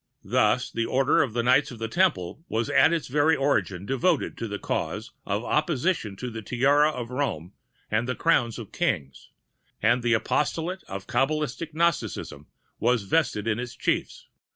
"Thus the Order of Knights of the Temple was at its very origin devoted to the cause of opposition to the tiara of Rome and the crowns of Kings, and the Apostolate of Kabalistic Gnosticism was vested in its chiefs.